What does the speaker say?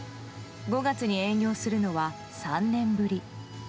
５月に営業するのは３年ぶり。